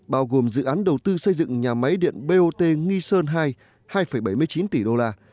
bao gồm dự án đầu tư xây dựng nhà máy điện bot nghi sơn hai hai bảy mươi chín tỷ đô la